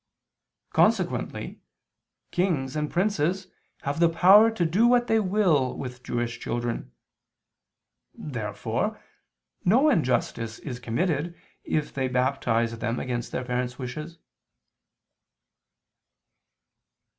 Consequently kings and princes have the power to do what they will with Jewish children. Therefore no injustice is committed if they baptize them against their parents' wishes.